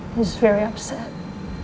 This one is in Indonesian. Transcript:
dia sangat sedih